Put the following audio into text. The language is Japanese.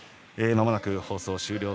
まもなく放送終了。